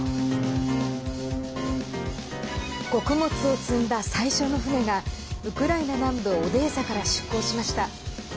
穀物を積んだ最初の船がウクライナ南部オデーサから出港しました。